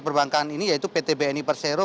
perbankan ini yaitu pt bni persero